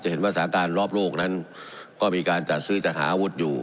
เห็นว่าสาการรอบโลกนั้นก็มีการจัดซื้อจัดหาอาวุธอยู่